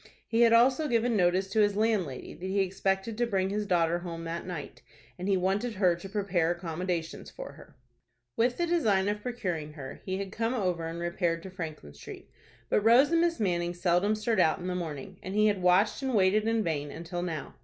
He had also given notice to his landlady that he expected to bring his daughter home that night, and he wanted her to prepare accommodations for her. With the design of procuring her he had come over and repaired to Franklin Street; but Rose and Miss Manning seldom stirred out in the morning, and he had watched and waited in vain until now.